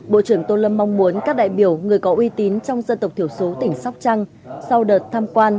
bộ trưởng tô lâm mong muốn các đại biểu người có uy tín trong dân tộc thiểu số tỉnh sóc trăng sau đợt tham quan